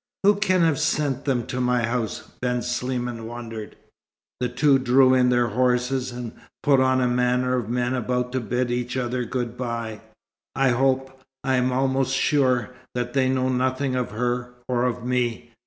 "Who can have sent them to my house?" Ben Sliman wondered. The two drew in their horses and put on the manner of men about to bid each other good bye. "I hope, I am almost sure, that they know nothing of her, or of me.